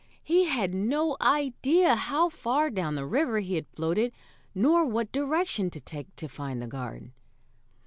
He had no idea how far down the river he had floated, nor what direction to take to find the garden.